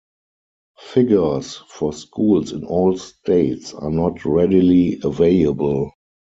Figures for schools in all states are not readily available.